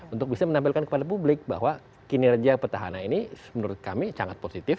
untuk bisa menampilkan kepada publik bahwa kinerja petahana ini menurut kami sangat positif